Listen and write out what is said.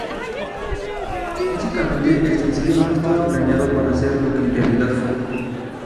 Básicamente, el sencillo no estaba planeado para ser lo que en realidad fue.